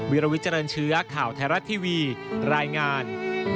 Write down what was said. วิลวิเจริญเชื้อข่าวไทยรัฐทีวีรายงาน